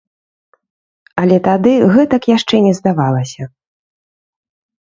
Але тады гэтак яшчэ не здавалася.